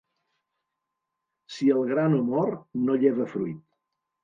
Si el gra no mor, no lleva fruit.